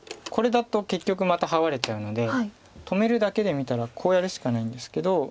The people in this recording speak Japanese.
これだと結局またハワれちゃうので止めるだけで見たらこうやるしかないんですけど。